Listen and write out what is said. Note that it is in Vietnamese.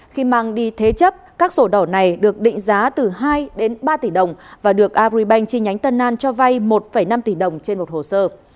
khi mang đi thế chấp các sổ đỏ này được định giá từ hai đến ba tỷ đồng và được agribank chi nhánh tân an cho vay một năm tỷ đồng trên một hồ sơ